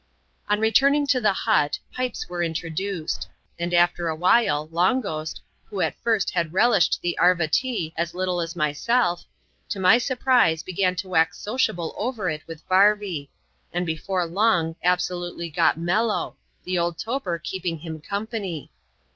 On returning to the hut, pipes were introduced ; and, after a while. Long Ghost, who, at first, had relished the " Arva Tee" as little as myself, to my surprise, began to wax sociable over it with Varvy; and before long absolutely got mellow, the old toper keeping him company.